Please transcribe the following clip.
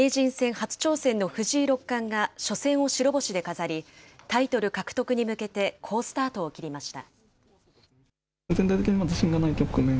初挑戦の藤井六冠が初戦を白星で飾り、タイトル獲得に向けて好スタートを切りました。